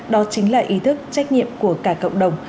đó chính là ý thức trách nhiệm của cả cộng đồng